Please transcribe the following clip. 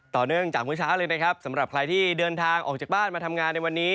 ต่อเนื่องจากเมื่อเช้าเลยนะครับสำหรับใครที่เดินทางออกจากบ้านมาทำงานในวันนี้